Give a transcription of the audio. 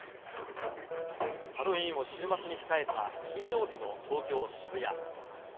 ハロウィーンを週末に控えた金曜日の東京・渋谷。